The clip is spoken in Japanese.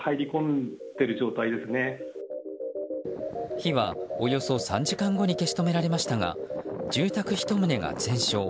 火は、およそ３時間後に消し止められましたが住宅１棟が全焼。